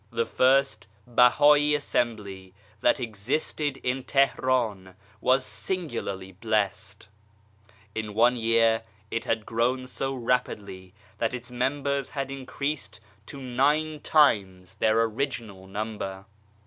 The first Bahai Assembly that existed in Teheran was singularly blessed ! In one year it had grown so rapidly that its members had increased to nine times their original number.